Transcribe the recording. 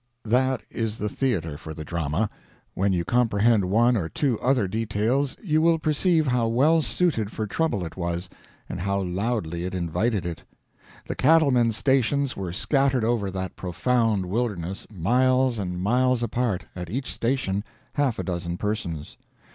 That is the theater for the drama. When you comprehend one or two other details, you will perceive how well suited for trouble it was, and how loudly it invited it. The cattlemen's stations were scattered over that profound wilderness miles and miles apart at each station half a dozen persons.